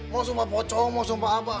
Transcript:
mau sumpah pocong mau sumpah apa